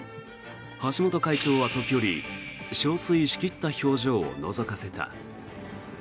橋本会長は時折憔悴しきった表情をのぞかせた。